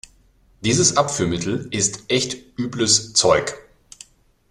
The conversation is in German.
Dieses Abführmittel ist echt übles Zeug.